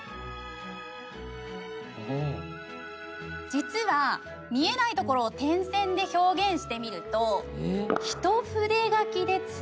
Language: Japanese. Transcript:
実は見えない所を点線で表現してみると一筆書きでつながるような。